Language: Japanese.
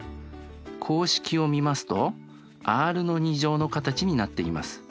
公式を見ますとｒの形になっています。